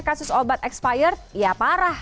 kasus obat expired ya parah